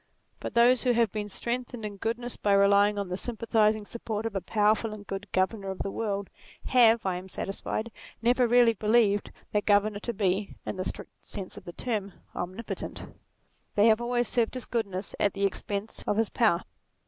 But those who have been strength ened in goodness by relying on the sympathizing support of a powerful and good Governor of the world, have, I am satisfied, never really believed that 40 NATURE Governor to be, in the strict sense of the term, omni potent. They have always saved his goodness at the expense of his power.